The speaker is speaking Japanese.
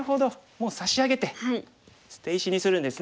もう差し上げて捨て石にするんですね。